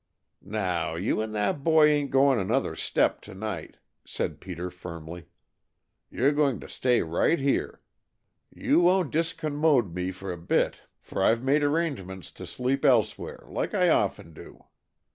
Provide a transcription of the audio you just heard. "Now, you and that boy ain't going another step to night," said Peter firmly. "You 're going to stay right here. You won't discommode me a bit for I've made arrangements to sleep elsewhere, like I often do."